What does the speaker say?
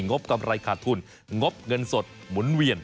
บกำไรขาดทุนงบเงินสดหมุนเวียน